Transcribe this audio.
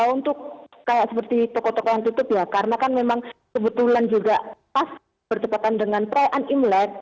untuk seperti toko toko yang tutup ya karena kan memang kebetulan juga pas bertepatan dengan perayaan imlek